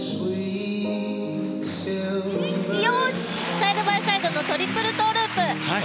サイドバイサイドのトリプルトウループ。